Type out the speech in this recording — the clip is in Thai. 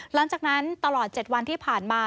หลังจากนั้นตลอด๗วันที่ผ่านมา